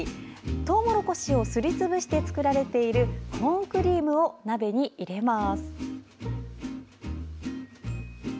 とうもろこしをすりつぶして作られているコーンクリームを鍋に入れます。